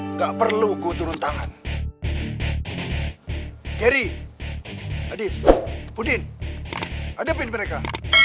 nggak perlu gue turun tangan kiri adis pudin ada pin mereka